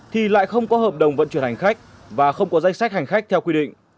thì lại không có hợp đồng vận chuyển hành khách và không có danh sách hành khách theo quy định